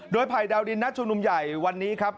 โดยภัยดาวดินนัดชุมนุมใหญ่วันนี้ครับ